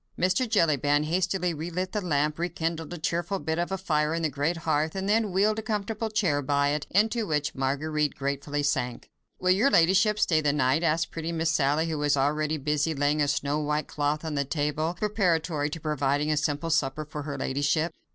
Mr. Jellyband hastily relit the lamp, rekindled a cheerful bit of fire in the great hearth, and then wheeled a comfortable chair by it, into which Marguerite gratefully sank. "Will your ladyship stay the night?" asked pretty Miss Sally, who was already busy laying a snow white cloth on the table, preparatory to providing a simple supper for her ladyship.